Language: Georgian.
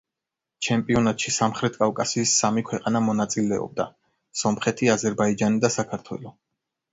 ჩემპიონატში სამხრეთ კავკასიის სამი ქვეყანა მონაწილეობდა: სომხეთი, აზერბაიჯანი და საქართველო.